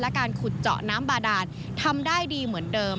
การขุดเจาะน้ำบาดานทำได้ดีเหมือนเดิม